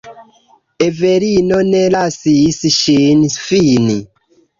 Evelino ne lasis ŝin fini.